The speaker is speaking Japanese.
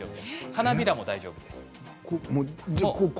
花びらも大丈夫。